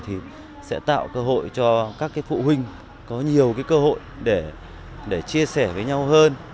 thì sẽ tạo cơ hội cho các phụ huynh có nhiều cơ hội để chia sẻ với nhau hơn